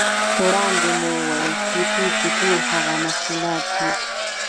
وړاندې مو وویل چې توکي ټول هغه محصولات دي